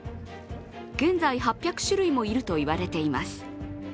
現在８００種類もいると言われています。